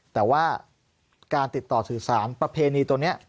แต่ว่าการติดต่อสื่อสารประเพณีตัวนี้